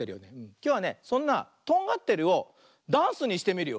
きょうはねそんな「とんがってる」をダンスにしてみるよ。